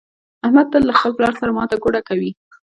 احمد تل له خپل پلار سره ماته ګوډه کوي.